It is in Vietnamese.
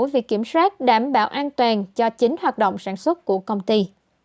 việc kiểm soát đảm bảo an toàn cho chính hoạt động sản xuất của công ty